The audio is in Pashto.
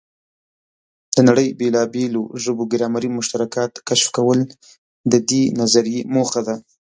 د نړۍ بېلابېلو ژبو ګرامري مشترکات کشف کول د دې نظریې موخه ده.